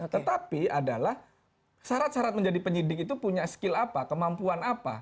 tetapi adalah syarat syarat menjadi penyidik itu punya skill apa kemampuan apa